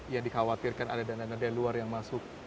yang dikhawatirkan ada dana dana dari luar yang masuk